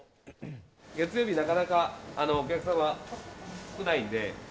月曜日はなかなかお客さんが来ないので。